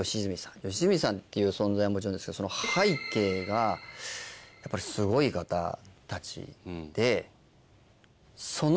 良純さんっていう存在はもちろんですけどその背景がやっぱりすごい方たちで。